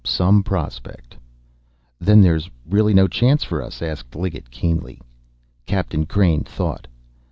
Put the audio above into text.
"Some prospect!" "Then there's really no chance for us?" asked Liggett keenly. Captain Crain thought.